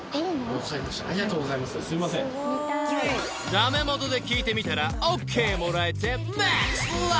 ［駄目もとで聞いてみたらＯＫもらえて］